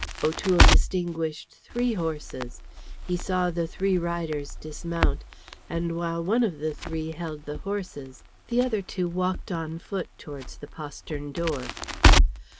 O'Toole distinguished three horses, he saw the three riders dismount; and while one of the three held the horses, the other two walked on foot towards the postern door.